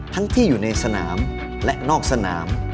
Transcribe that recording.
ที่อยู่ในสนามและนอกสนาม